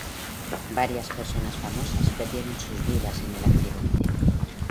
Varias personas famosas perdieron sus vidas en el accidente.